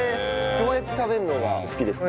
どうやって食べるのが好きですか？